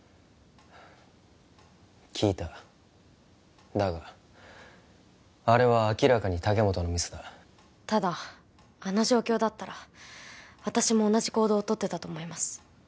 聞いただがあれは明らかに竹本のミスだただあの状況だったら私も同じ行動をとってたと思います